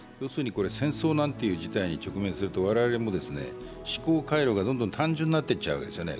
戦争なんて事態に直面すると我々も思考回路がどんどん単純になっていっちゃうんですね。